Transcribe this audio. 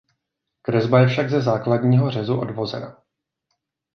Kresba je však ze základního řezu odvozena.